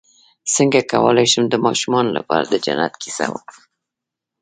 څنګه کولی شم د ماشومانو لپاره د جنت کیسه وکړم